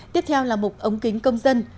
tiếp theo là mục ống kính công dân